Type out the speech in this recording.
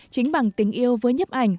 chính bằng tình yêu với nhấp ảnh